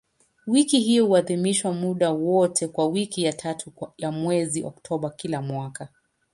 Wiki hiyo huadhimishwa muda wote wa wiki ya tatu ya mwezi Oktoba kila mwaka.